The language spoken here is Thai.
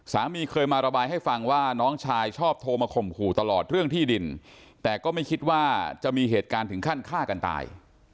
สามีเคยมาระบายให้ฟังว่าน้องชายชอบโทรมาข่มขู่ตลอดเรื่องที่ดินแต่ก็ไม่คิดว่าจะมีเหตุการณ์ถึงขั้นฆ่ากันตาย